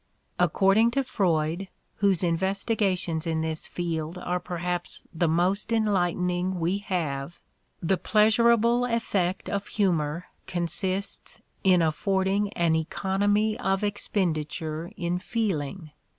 According to Freud, whose investigations in this field are perhaps the most enlightening we have, the pleasurable effect of humor consists in affording "an economy of expen diture in feeling."